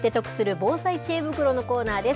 防災知恵袋のコーナーです。